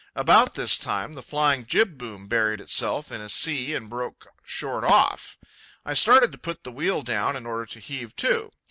About this time the flying jib boom buried itself in a sea and broke short off. I started to put the wheel down in order to heave to.